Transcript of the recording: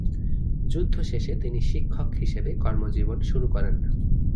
যুদ্ধ শেষে তিনি শিক্ষক হিসেবে কর্মজীবন শুরু করেন।